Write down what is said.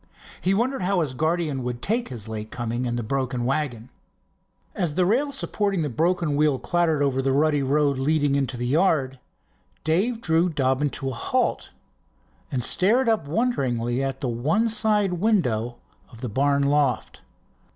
He wondered how his guardian would take his late coming and the broken wagon. As the rail supporting the broken wheel clattered over the rutty road leading into the yard, Dave drew Dobbin to a halt and stared up wonderingly at the one side window of the barn loft.